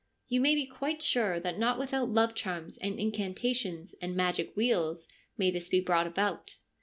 You may be quite sure that not without love charms and incantations and magic wheels may this be brought about.'